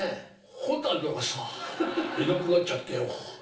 ホタルがさいなくなっちゃってよ。